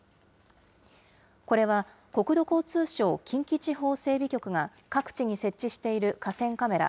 これは国土交通省近畿地方整備局が各地に設置している河川カメラ